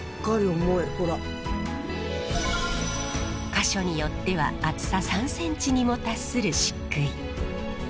箇所によっては厚さ３ｃｍにも達するしっくい。